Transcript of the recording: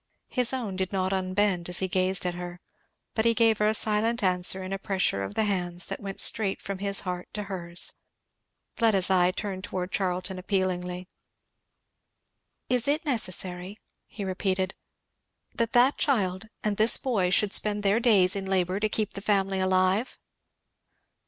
His own did not unbend as he gazed at her, but he gave her a silent answer in a pressure of the hands that went straight from his heart to hers. Fleda's eye turned to Charlton appealingly. "Is it necessary," he repeated, "that that child and this boy should spend their days in labour to keep the family alive?"